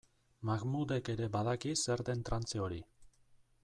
Mahmudek ere badaki zer den trantze hori.